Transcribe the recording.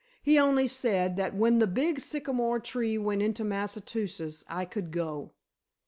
He only said, that when the big sycamore tree went into Massachusetts I could go."